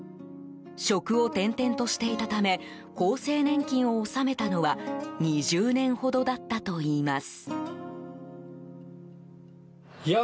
職を転々としていたため厚生年金を納めたのは２０年ほどだったといいます。